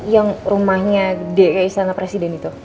yang rumahnya dek kayak istana presiden itu